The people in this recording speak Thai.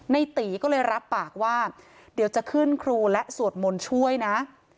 ในตีก็เลยรับปากว่าเดี๋ยวจะขึ้นครูและสวดมนต์ช่วยนะ